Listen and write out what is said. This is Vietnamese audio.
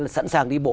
sẵn sàng đi bộ